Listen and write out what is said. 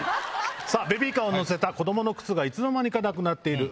ベビーカーに乗せた子供の靴がいつの間にかなくなっている。